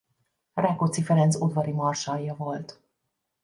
Rákóczi Ferenc udvari marsalja volt.